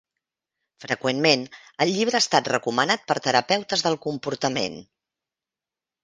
Freqüentment, el llibre ha estat recomanat per terapeutes del comportament.